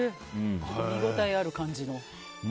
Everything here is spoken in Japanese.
見応えある感じの。